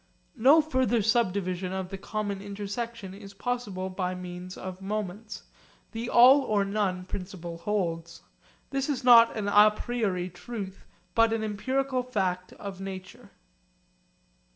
No further subdivision of the common intersection is possible by means of moments. The 'all or none' principle holds. This is not an à priori truth but an empirical fact of nature.